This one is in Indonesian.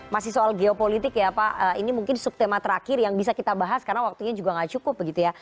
masih soal geopolitik ya pak ini mungkin sub tema terakhir yang bisa kita bahas karena waktunya juga gak cukup